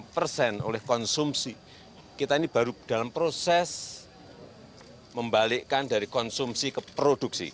lima puluh persen oleh konsumsi kita ini baru dalam proses membalikkan dari konsumsi ke produksi